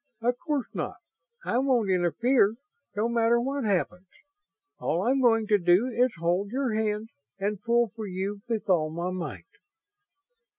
"Of course not. I won't interfere, no matter what happens. All I'm going to do is hold your hand and pull for you with all my might."